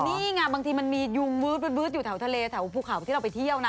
นี่ไงบางทีมันมียุงวืดอยู่แถวทะเลแถวภูเขาที่เราไปเที่ยวนะ